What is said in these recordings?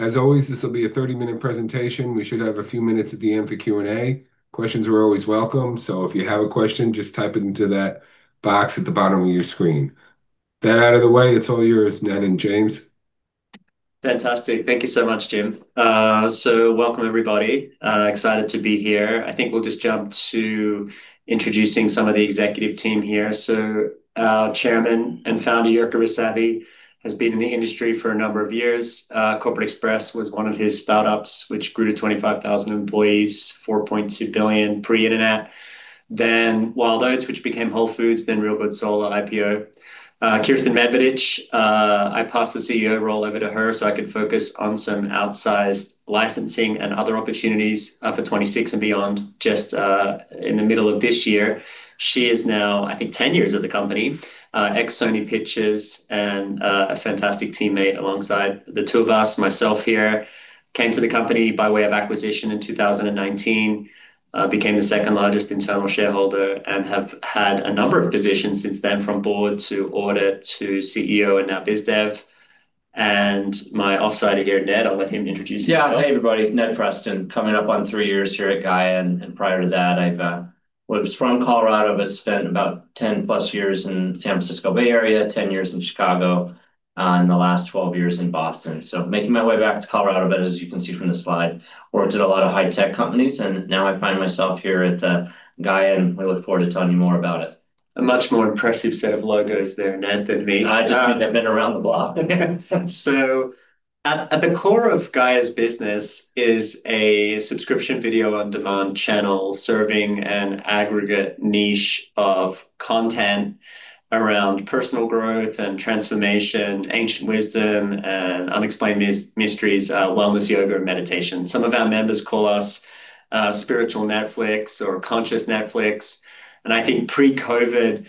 As always, this will be a 30-minute presentation. We should have a few minutes at the end for Q&A. Questions are always welcome, so if you have a question, just type it into that box at the bottom of your screen. That out of the way, it's all yours, Ned and James. Fantastic. Thank you so much, Jim. So welcome, everybody. Excited to be here. I think we'll just jump to introducing some of the executive team here. So our chairman and founder, Jirka Rysavy, has been in the industry for a number of years. Corporate Express was one of his startups, which grew to 25,000 employees, $4.2 billion pre-internet. Then Wild Oats, which became Whole Foods, then Real Goods Solar IPO. Kiersten Medvedich, I passed the CEO role over to her so I could focus on some outsized licensing and other opportunities for 2026 and beyond. Just in the middle of this year, she is now, I think, 10 years at the company. Ex-Sony Pictures and a fantastic teammate alongside the two of us. Myself here, came to the company by way of acquisition in 2019, became the second largest internal shareholder, and have had a number of positions since then, from board to audit to CEO and now BizDev. And my offsider here, Ned, I'll let him introduce himself. Yeah, hey, everybody. Ned Preston, coming up on three years here at Gaia. And prior to that, I was from Colorado, but spent about 10-plus years in the San Francisco Bay Area, 10 years in Chicago, and the last 12 years in Boston. So making my way back to Colorado, but as you can see from the slide, worked at a lot of high-tech companies. And now I find myself here at Gaia, and we look forward to telling you more about it. A much more impressive set of logos there, Ned, than me. I've been around the block. So at the core of Gaia's business is a subscription video on demand channel serving an aggregate niche of content around personal growth and transformation, ancient wisdom, and unexplained mysteries, wellness, yoga, and meditation. Some of our members call us spiritual Netflix or conscious Netflix. And I think pre-COVID,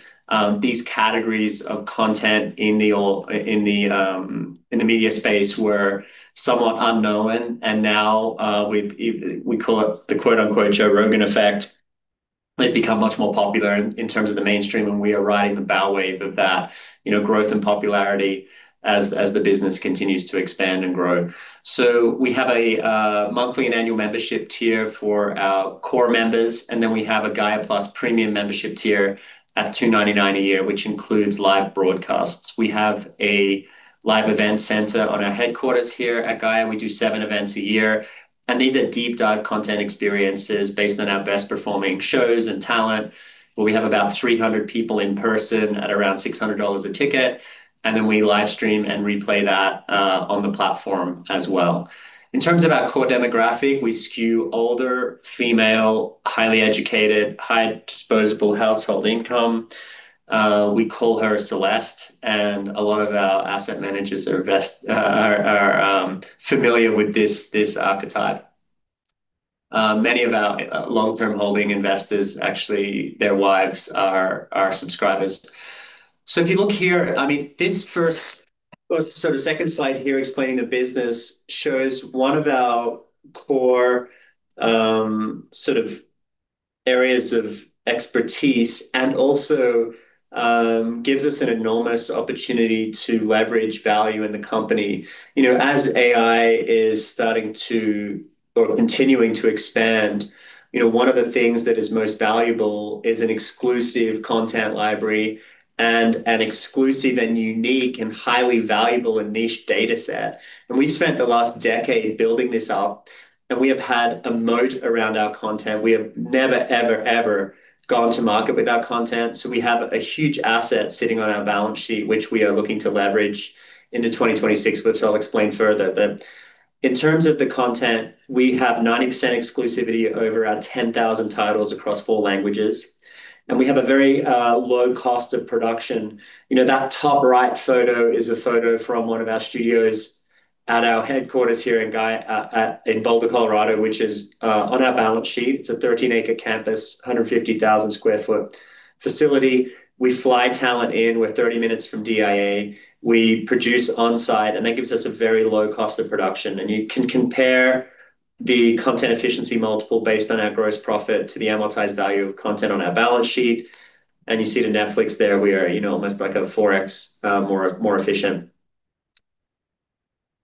these categories of content in the media space were somewhat unknown. And now we call it the “Joe Rogan effect.” They've become much more popular in terms of the mainstream, and we are riding the wave of that growth and popularity as the business continues to expand and grow. So we have a monthly and annual membership tier for our core members. And then we have a Gaia Plus premium membership tier at $299 a year, which includes live broadcasts. We have a live events center on our headquarters here at Gaia. We do seven events a year. These are deep-dive content experiences based on our best-performing shows and talent, but we have about 300 people in person at around $600 a ticket, and then we live stream and replay that on the platform as well. In terms of our core demographic, we skew older, female, highly educated, high-disposable household income. We call her Celeste, and a lot of our asset managers are familiar with this archetype. Many of our long-term holding investors, actually, their wives are subscribers. If you look here, I mean, this first or sort of second slide here explaining the business shows one of our core sort of areas of expertise and also gives us an enormous opportunity to leverage value in the company. As AI is starting to or continuing to expand, one of the things that is most valuable is an exclusive content library and an exclusive and unique and highly valuable and niche data set, and we've spent the last decade building this up, and we have had a moat around our content. We have never, ever, ever gone to market with our content, so we have a huge asset sitting on our balance sheet, which we are looking to leverage into 2026, which I'll explain further. In terms of the content, we have 90% exclusivity over our 10,000 titles across four languages, and we have a very low cost of production. That top right photo is a photo from one of our studios at our headquarters here in Boulder, Colorado, which is on our balance sheet. It's a 13-acre campus, 150,000 sq ft facility. We fly talent in. We're 30 minutes from DIA. We produce on-site, and that gives us a very low cost of production, and you can compare the content efficiency multiple based on our gross profit to the amortized value of content on our balance sheet, and you see the Netflix there. We are almost like a 4x more efficient.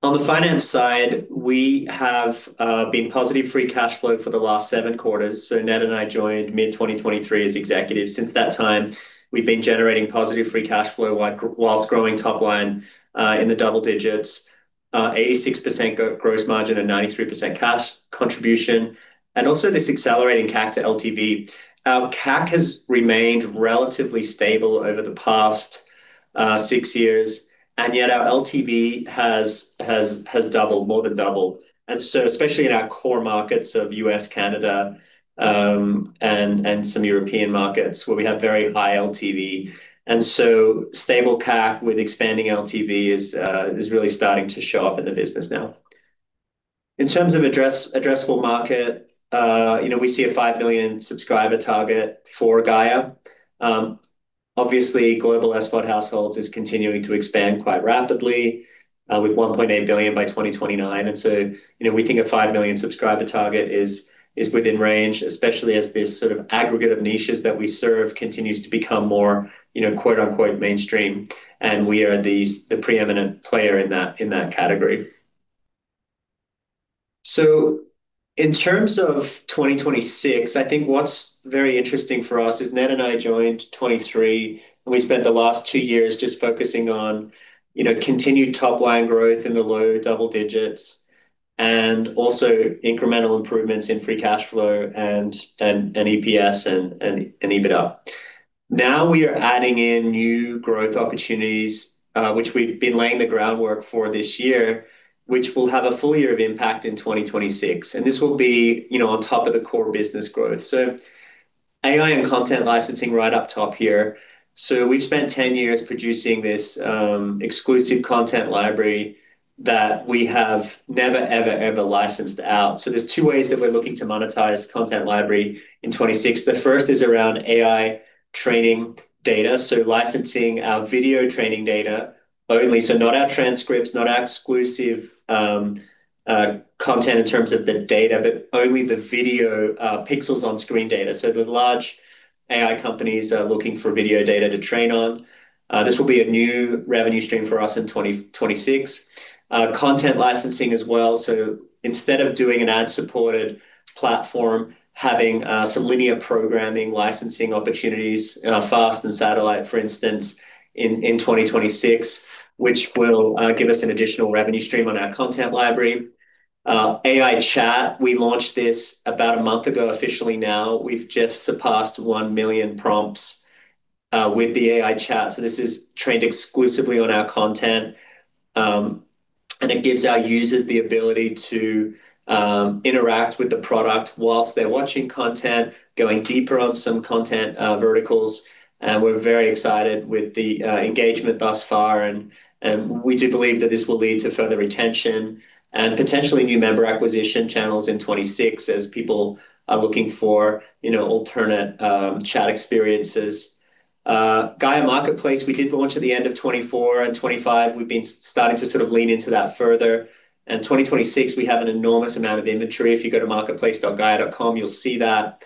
On the finance side, we have been positive Free Cash Flow for the last seven quarters, so Ned and I joined mid-2023 as executives. Since that time, we've been generating positive Free Cash Flow while growing top line in the double digits, 86% gross margin and 93% cash contribution, and also this accelerating CAC to LTV. Our CAC has remained relatively stable over the past six years, and yet our LTV has doubled, more than doubled. And so especially in our core markets of U.S., Canada, and some European markets where we have very high LTV. And so stable CAC with expanding LTV is really starting to show up in the business now. In terms of addressable market, we see a five million subscriber target for Gaia. Obviously, global SVOD households is continuing to expand quite rapidly with 1.8 billion by 2029. And so we think a five million subscriber target is within range, especially as this sort of aggregate of niches that we serve continues to become more "mainstream." And we are the preeminent player in that category. So in terms of 2026, I think what's very interesting for us is Ned and I joined 2023, and we spent the last two years just focusing on continued top line growth in the low double digits and also incremental improvements in free cash flow and EPS and EBITDA. Now we are adding in new growth opportunities, which we've been laying the groundwork for this year, which will have a full year of impact in 2026. And this will be on top of the core business growth. So AI and content licensing right up top here. So we've spent 10 years producing this exclusive content library that we have never, ever, ever licensed out. So there's two ways that we're looking to monetize content library in 2026. The first is around AI training data. So licensing our video training data only. So not our transcripts, not our exclusive content in terms of the data, but only the video pixels on screen data. So the large AI companies are looking for video data to train on. This will be a new revenue stream for us in 2026. Content licensing as well. So instead of doing an ad-supported platform, having some linear programming licensing opportunities, FAST and satellite, for instance, in 2026, which will give us an additional revenue stream on our content library. AI Chat, we launched this about a month ago officially. Now we've just surpassed one million prompts with the AI Chat. So this is trained exclusively on our content. And it gives our users the ability to interact with the product while they're watching content, going deeper on some content verticals. And we're very excited with the engagement thus far. And we do believe that this will lead to further retention and potentially new member acquisition channels in 2026 as people are looking for alternate chat experiences. Gaia Marketplace, we did launch at the end of 2024 and 2025. We've been starting to sort of lean into that further. And 2026, we have an enormous amount of inventory. If you go to marketplace.gaia.com, you'll see that.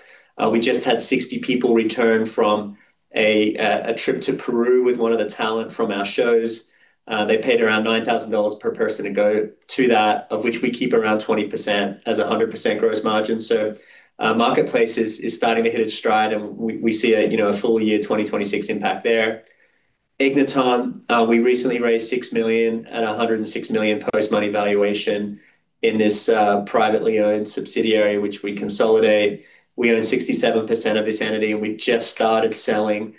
We just had 60 people return from a trip to Peru with one of the talent from our shows. They paid around $9,000 per person to go to that, of which we keep around 20% as a 100% gross margin. So Marketplace is starting to hit its stride, and we see a full year 2026 impact there. Igniton, we recently raised $6 million at a $106 million post-money valuation in this privately owned subsidiary, which we consolidate. We own 67% of this entity, and we've just started selling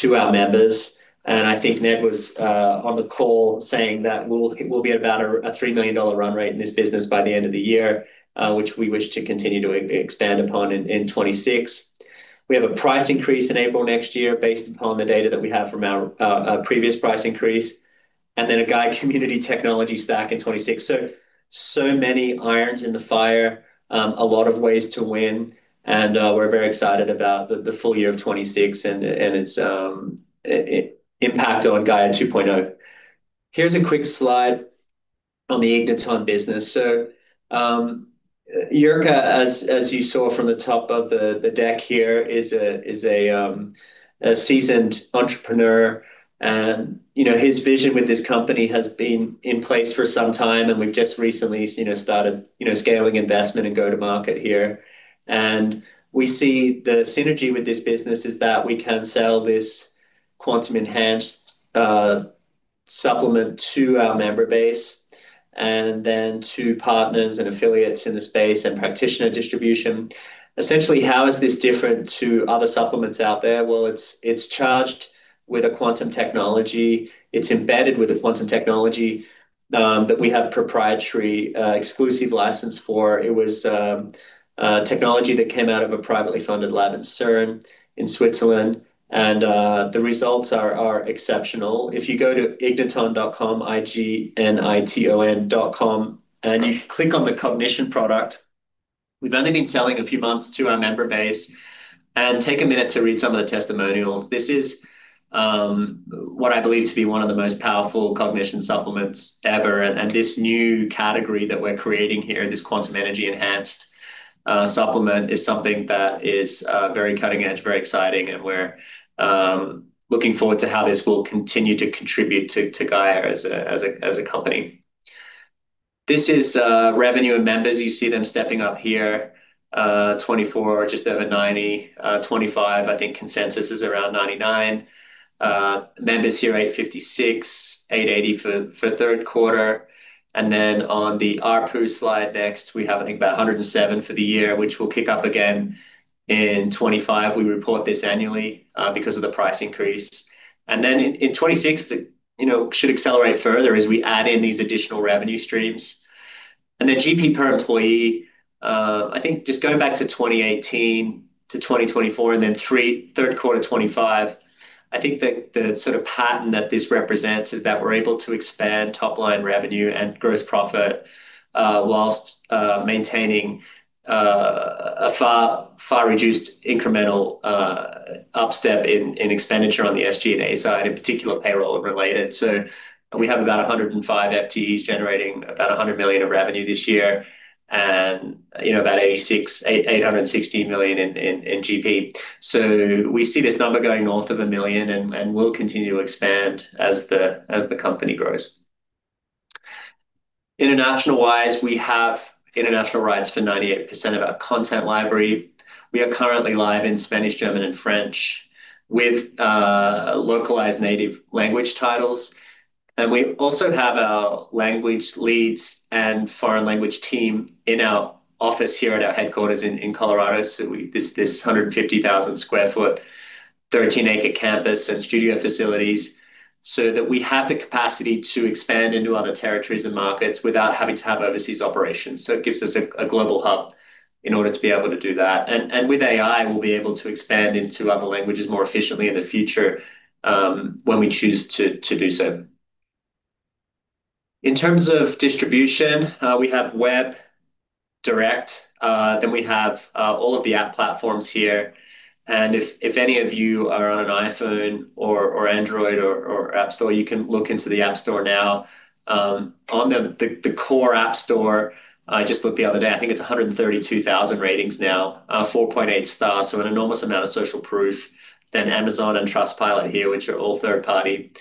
to our members. And I think Ned was on the call saying that we'll be at about a $3 million run rate in this business by the end of the year, which we wish to continue to expand upon in 2026. We have a price increase in April next year based upon the data that we have from our previous price increase. And then a Gaia community technology stack in 2026. So many irons in the fire, a lot of ways to win. And we're very excited about the full year of 2026 and its impact on Gaia 2.0. Here's a quick slide on the Igniton business. So Jirka, as you saw from the top of the deck here, is a seasoned entrepreneur. And his vision with this company has been in place for some time. And we've just recently started scaling investment and go-to-market here. And we see the synergy with this business is that we can sell this quantum-enhanced supplement to our member base and then to partners and affiliates in the space and practitioner distribution. Essentially, how is this different to other supplements out there? Well, it's charged with a quantum technology. It's embedded with a quantum technology that we have proprietary exclusive license for. It was technology that came out of a privately funded lab in CERN in Switzerland. And the results are exceptional. If you go to Igniton.com, I-G-N-I-T-O-N.com, and you click on the Cognition product, we've only been selling a few months to our member base. And take a minute to read some of the testimonials. This is what I believe to be one of the most powerful Cognition supplements ever. And this new category that we're creating here, this quantum energy-enhanced supplement, is something that is very cutting edge, very exciting. And we're looking forward to how this will continue to contribute to Gaia as a company. This is revenue and members. You see them stepping up here, 24 or just over 90. 25, I think consensus is around 99. Members here, 856, 880 for third quarter. And then on the ARPU slide next, we have, I think, about 107 for the year, which will kick up again in 2025. We report this annually because of the price increase. And then in 2026, it should accelerate further as we add in these additional revenue streams. And then GP per employee, I think just going back to 2018-2024, and then third quarter 2025, I think the sort of pattern that this represents is that we're able to expand top line revenue and gross profit while maintaining a far reduced incremental upstep in expenditure on the SG and A side, in particular payroll related. So we have about 105 FTEs generating about $100 million of revenue this year and about $86.860 million in GP. So we see this number going north of a million, and we'll continue to expand as the company grows. International-wise, we have international rights for 98% of our content library. We are currently live in Spanish, German, and French with localized native language titles. And we also have our language leads and foreign language team in our office here at our headquarters in Colorado. So this 150,000 sq ft, 13-acre campus and studio facilities so that we have the capacity to expand into other territories and markets without having to have overseas operations. So it gives us a global hub in order to be able to do that. And with AI, we'll be able to expand into other languages more efficiently in the future when we choose to do so. In terms of distribution, we have web direct. Then we have all of the app platforms here. And if any of you are on an iPhone or Android or App Store, you can look into the App Store now. On the core App Store, I just looked the other day. I think it's 132,000 ratings now, 4.8 stars, so an enormous amount of social proof. Then Amazon and Trustpilot here, which are all third-party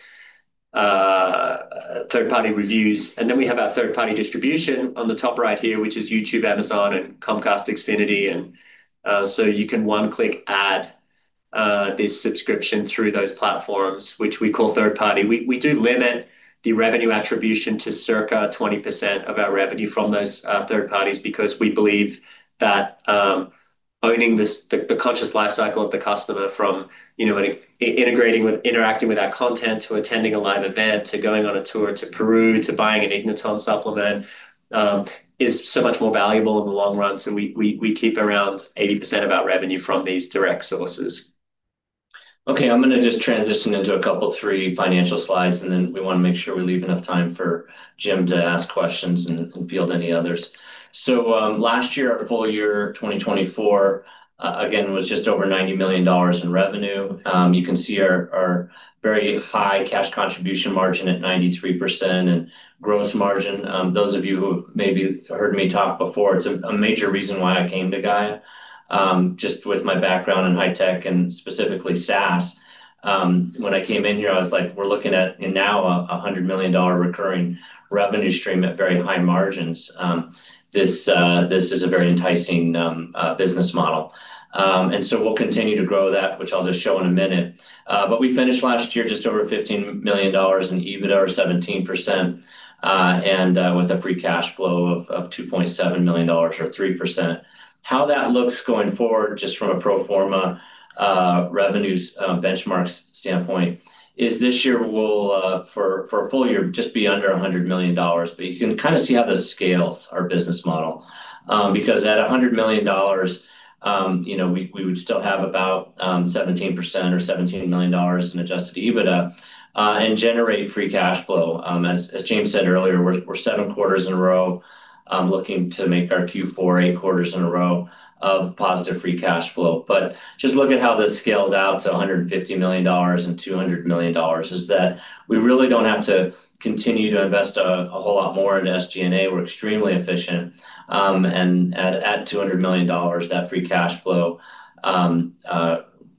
reviews. And then we have our third-party distribution on the top right here, which is YouTube, Amazon, and Comcast, Xfinity. And so you can one-click add this subscription through those platforms, which we call third-party. We do limit the revenue attribution to circa 20% of our revenue from those third parties because we believe that owning the conscious lifecycle of the customer from integrating with interacting with our content to attending a live event to going on a tour to Peru to buying an Igniton supplement is so much more valuable in the long run. So we keep around 80% of our revenue from these direct sources. Okay, I'm going to just transition into a couple of three financial slides, and then we want to make sure we leave enough time for Jim to ask questions and field any others. So last year, our full year, 2024, again, was just over $90 million in revenue. You can see our very high cash contribution margin at 93% and gross margin. Those of you who have maybe heard me talk before, it's a major reason why I came to Gaia, just with my background in high tech and specifically SaaS. When I came in here, I was like, we're looking at now a $100 million recurring revenue stream at very high margins. This is a very enticing business model. And so we'll continue to grow that, which I'll just show in a minute. But we finished last year just over $15 million in EBITDA, or 17%, and with a free cash flow of $2.7 million or 3%. How that looks going forward, just from a pro forma revenues benchmarks standpoint, is this year will, for a full year, just be under $100 million. But you can kind of see how this scales our business model. Because at $100 million, we would still have about 17% or $17 million in adjusted EBITDA and generate free cash flow. As James said earlier, we're seven quarters in a row looking to make our Q4, eight quarters in a row of positive free cash flow. But just look at how this scales out to $150 million and $200 million, is that we really don't have to continue to invest a whole lot more in SG&A. We're extremely efficient. And at $200 million, that free cash flow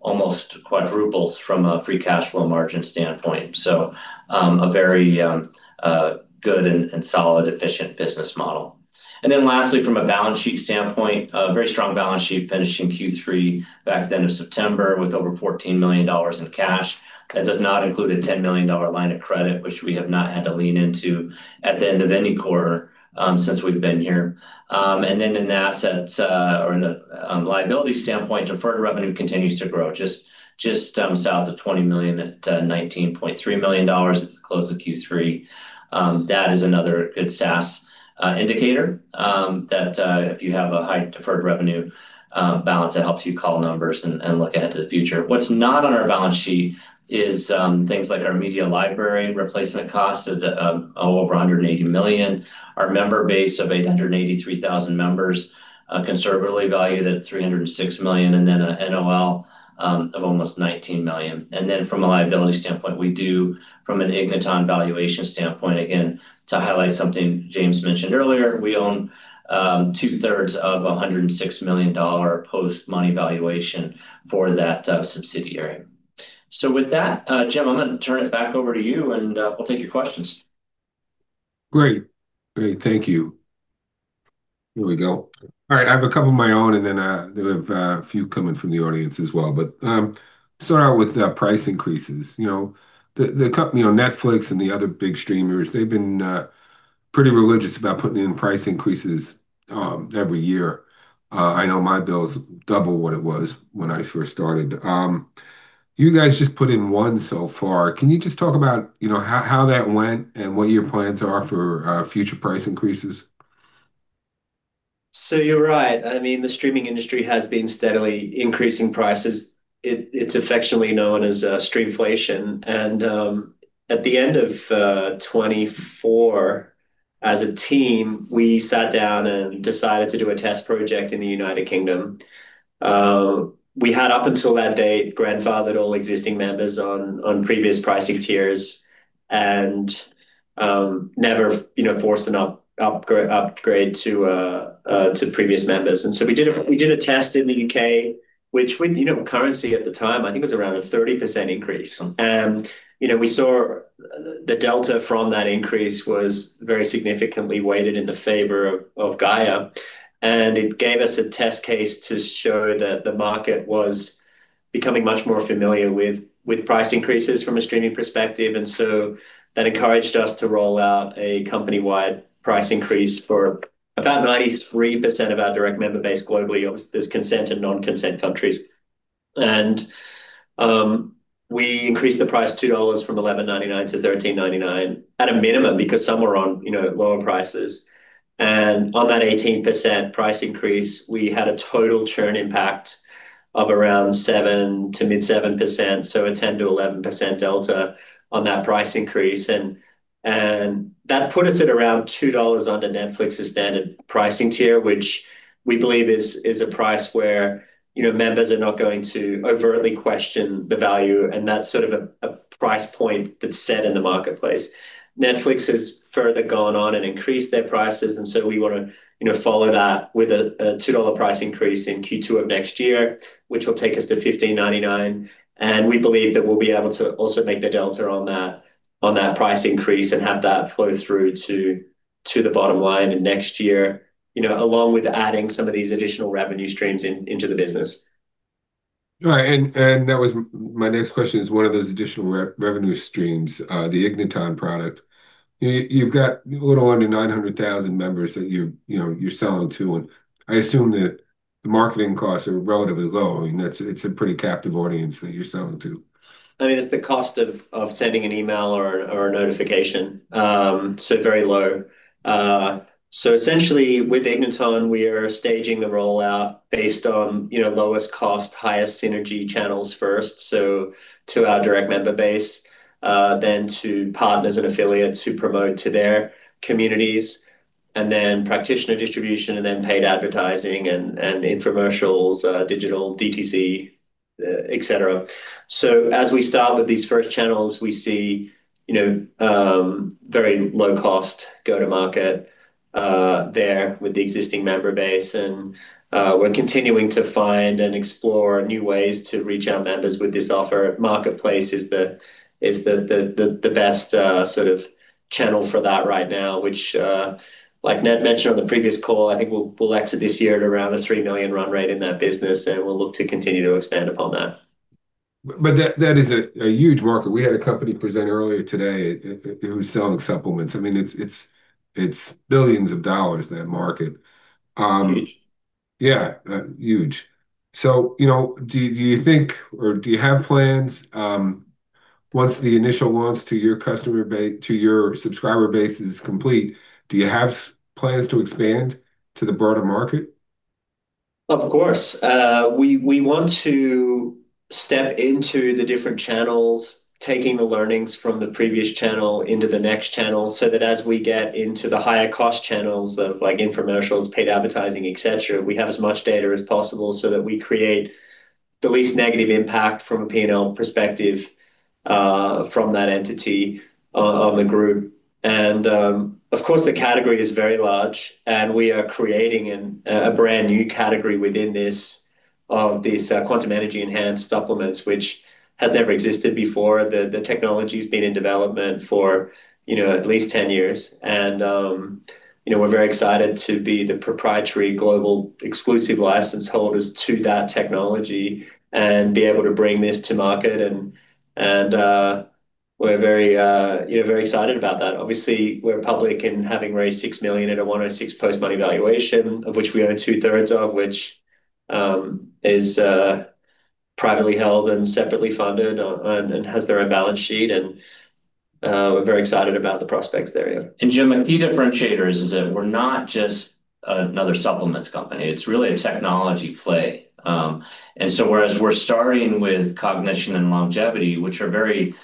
almost quadruples from a free cash flow margin standpoint. So a very good and solid, efficient business model. And then lastly, from a balance sheet standpoint, a very strong balance sheet finishing Q3 back at the end of September with over $14 million in cash. That does not include a $10 million line of credit, which we have not had to lean into at the end of any quarter since we've been here. And then in the assets or in the liability standpoint, deferred revenue continues to grow, just south of $20 million at $19.3 million at the close of Q3. That is another good SaaS indicator that if you have a high deferred revenue balance, it helps you call numbers and look ahead to the future. What's not on our balance sheet is things like our media library replacement costs of over $180 million, our member base of 883,000 members, conservatively valued at $306 million, and then an NOL of almost $19 million. And then from a liability standpoint, we do from an Igniton valuation standpoint, again, to highlight something James mentioned earlier, we own two-thirds of a $106 million post-money valuation for that subsidiary. So with that, Jim, I'm going to turn it back over to you, and we'll take your questions. Great. Great. Thank you. Here we go. All right. I have a couple of my own, and then we have a few coming from the audience as well. But start out with price increases. The company on Netflix and the other big streamers, they've been pretty religious about putting in price increases every year. I know my bills double what it was when I first started. You guys just put in one so far. Can you just talk about how that went and what your plans are for future price increases? So you're right. I mean, the streaming industry has been steadily increasing prices. It's affectionately known as streamflation, and at the end of 2024, as a team, we sat down and decided to do a test project in the United Kingdom. We had, up until that date, grandfathered all existing members on previous pricing tiers and never forced an upgrade to previous members, and so we did a test in the U.K., which, with currency at the time, I think it was around a 30% increase, and we saw the delta from that increase was very significantly weighted in the favor of Gaia, and it gave us a test case to show that the market was becoming much more familiar with price increases from a streaming perspective, and so that encouraged us to roll out a company-wide price increase for about 93% of our direct member base globally. There's consent and non-consent countries. And we increased the price $2 from $11.99 to $13.99 at a minimum because some were on lower prices. And on that 18% price increase, we had a total churn impact of around 7 to mid-7%, so a 10%-11% delta on that price increase. And that put us at around $2 under Netflix's standard pricing tier, which we believe is a price where members are not going to overtly question the value. And that's sort of a price point that's set in the marketplace. Netflix has further gone on and increased their prices. And so we want to follow that with a $2 price increase in Q2 of next year, which will take us to $15.99. And we believe that we'll be able to also make the delta on that price increase and have that flow through to the bottom line next year, along with adding some of these additional revenue streams into the business. All right. And that was my next question is one of those additional revenue streams, the Igniton product. You've got a little under 900,000 members that you're selling to. And I assume that the marketing costs are relatively low. I mean, it's a pretty captive audience that you're selling to. I mean, it's the cost of sending an email or a notification. So very low. So essentially, with Igniton, we are staging the rollout based on lowest cost, highest synergy channels first, so to our direct member base, then to partners and affiliates who promote to their communities, and then practitioner distribution, and then paid advertising and infomercials, digital DTC, etc. So as we start with these first channels, we see very low-cost go-to-market there with the existing member base. And we're continuing to find and explore new ways to reach our members with this offer. Marketplace is the best sort of channel for that right now, which, like Ned mentioned on the previous call, I think we'll exit this year at around a $3 million run rate in that business, and we'll look to continue to expand upon that. But that is a huge market. We had a company present earlier today who's selling supplements. I mean, it's billions of dollars, that market. Huge. Yeah, huge. So do you think, or do you have plans? Once the initial launch to your customer base, to your subscriber base is complete, do you have plans to expand to the broader market? Of course. We want to step into the different channels, taking the learnings from the previous channel into the next channel so that as we get into the higher-cost channels of infomercials, paid advertising, etc., we have as much data as possible so that we create the least negative impact from a P&L perspective from that entity on the group. And of course, the category is very large, and we are creating a brand new category within this of these quantum energy-enhanced supplements, which has never existed before. The technology has been in development for at least 10 years. And we're very excited to be the proprietary global exclusive license holders to that technology and be able to bring this to market. And we're very excited about that. Obviously, we're public in having raised $6 million at a $106 million post-money valuation, of which we own two-thirds of, which is privately held and separately funded and has their own balance sheet. We're very excited about the prospects there. Jim, a key differentiator is that we're not just another supplements company. It's really a technology play. Whereas we're starting with cognition and longevity, which are very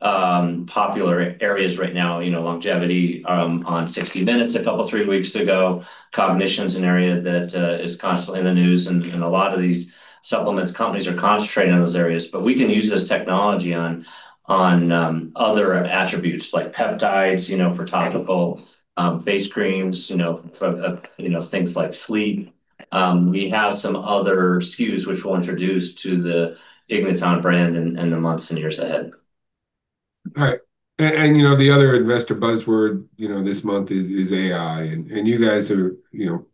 popular areas right now, longevity on 60 Minutes a couple of three weeks ago, cognition is an area that is constantly in the news. A lot of these supplements companies are concentrating on those areas. We can use this technology on other attributes like peptides, topical face creams, things like sleep. We have some other SKUs which we'll introduce to the Igniton brand in the months and years ahead. All right. And the other investor buzzword this month is AI, and you guys are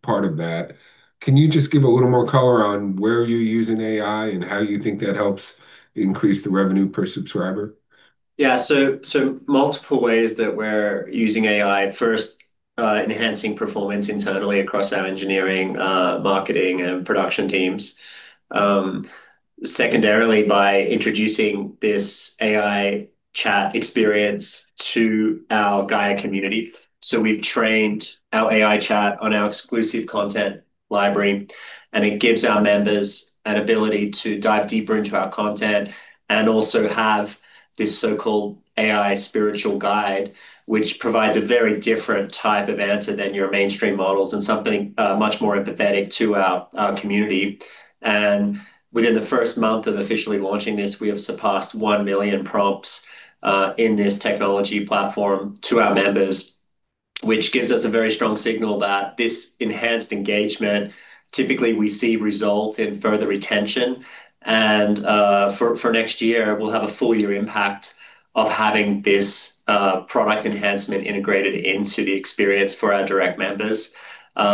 part of that. Can you just give a little more color on where you're using AI and how you think that helps increase the revenue per subscriber? `Yeah, so multiple ways that we're using AI. First, enhancing performance internally across our engineering, marketing, and production teams. Secondarily, by introducing this AI chat experience to our Gaia community, so we've trained our AI chat on our exclusive content library, and it gives our members an ability to dive deeper into our content and also have this so-called AI spiritual guide, which provides a very different type of answer than your mainstream models and something much more empathetic to our community. And within the first month of officially launching this, we have surpassed 1 million prompts in this technology platform to our members, which gives us a very strong signal that this enhanced engagement, typically we see result in further retention. And for next year, we'll have a full year impact of having this product enhancement integrated into the experience for our direct members,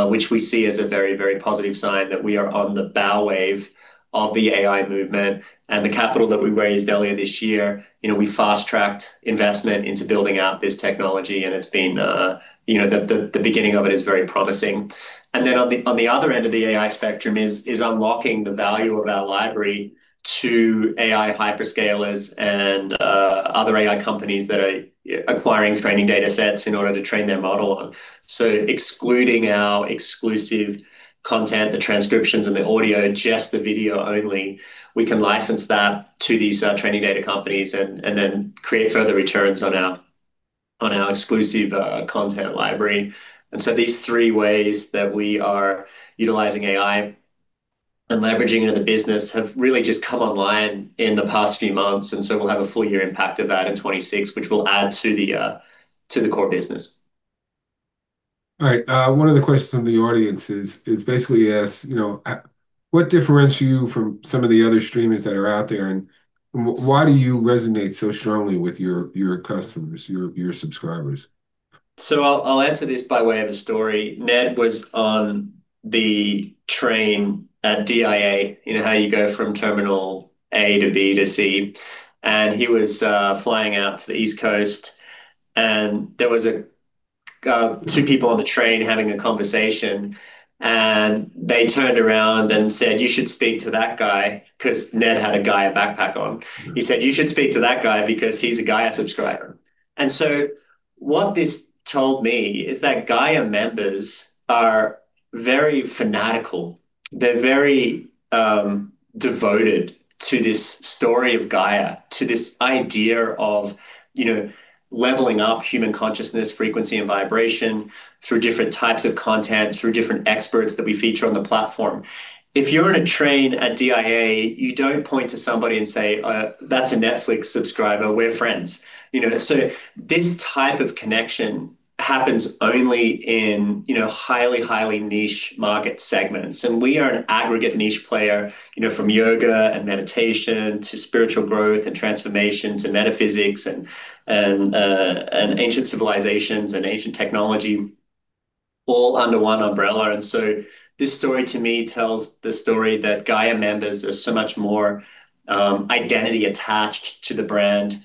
which we see as a very, very positive sign that we are on the bow wave of the AI movement. And the capital that we raised earlier this year. We fast-tracked investment into building out this technology. And it's been the beginning of it. It is very promising. And then on the other end of the AI spectrum is unlocking the value of our library to AI hyperscalers and other AI companies that are acquiring training data sets in order to train their model on. So excluding our exclusive content, the transcriptions and the audio, just the video only, we can license that to these training data companies and then create further returns on our exclusive content library. And so these three ways that we are utilizing AI and leveraging into the business have really just come online in the past few months. And so we'll have a full year impact of that in 2026, which will add to the core business. All right. One of the questions from the audience is basically asked, what differentiates you from some of the other streamers that are out there? And why do you resonate so strongly with your customers, your subscribers? So I'll answer this by way of a story. Ned was on the train at DIA, how you go from terminal A to B to C. And he was flying out to the East Coast. There were two people on the train having a conversation. They turned around and said, "You should speak to that guy," because Ned had a Gaia backpack on. He said, "You should speak to that guy because he's a Gaia subscriber." So what this told me is that Gaia members are very fanatical. They're very devoted to this story of Gaia, to this idea of leveling up human consciousness, frequency, and vibration through different types of content, through different experts that we feature on the platform. If you're on a train at DIA, you don't point to somebody and say, "That's a Netflix subscriber. We're friends." This type of connection happens only in highly, highly niche market segments. We are an aggregate niche player from yoga and meditation to spiritual growth and transformation to metaphysics and ancient civilizations and ancient technology, all under one umbrella. And so this story, to me, tells the story that Gaia members are so much more identity attached to the brand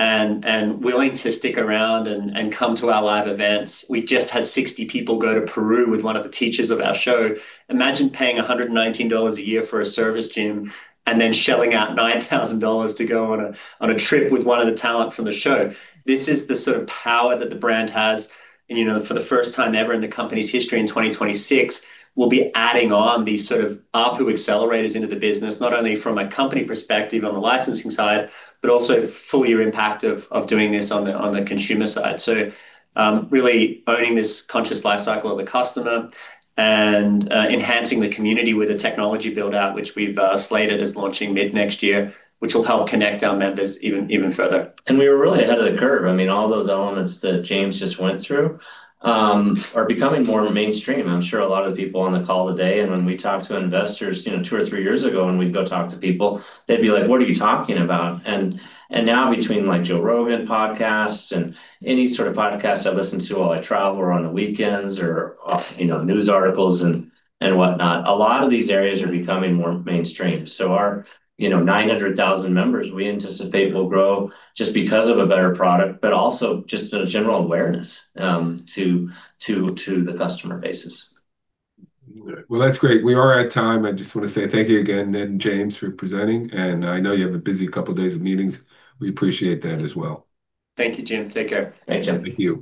and willing to stick around and come to our live events. We just had 60 people go to Peru with one of the teachers of our show. Imagine paying $119 a year for a service, Jim, and then shelling out $9,000 to go on a trip with one of the talent from the show. This is the sort of power that the brand has. And for the first time ever in the company's history, in 2026, we'll be adding on these sort of ARPU accelerators into the business, not only from a company perspective on the licensing side, but also full year impact of doing this on the consumer side. So really owning this conscious lifecycle of the customer and enhancing the community with a technology build-out, which we've slated as launching mid-next year, which will help connect our members even further. And we were really ahead of the curve. I mean, all those elements that James just went through are becoming more mainstream. I'm sure a lot of people on the call today, and when we talk to investors two or three years ago, when we'd go talk to people, they'd be like, "What are you talking about?" And now, between Joe Rogan podcasts and any sort of podcasts I listen to while I travel or on the weekends or news articles and whatnot, a lot of these areas are becoming more mainstream. So our 900,000 members we anticipate will grow just because of a better product, but also just a general awareness to the customer bases. Well, that's great. We are at time. I just want to say thank you again, Ned and James, for presenting. And I know you have a busy couple of days of meetings. We appreciate that as well. Thank you, Jim. Take care. Thank you.